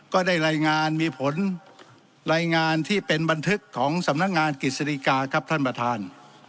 ก็ได้รายงานมีผลรายงานที่เป็นบันทึกของสำนักงานกฤษฎิกาครับท่านประธาน